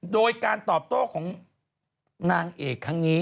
โดยการตอบโต้ของนางเอกครั้งนี้